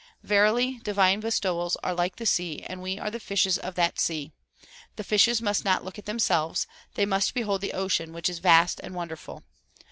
Verily divine bestowals are like the sea and we are the fishes of that sea. The fishes must not look at themselves ; they must behold the ocean which is vast and wonderful.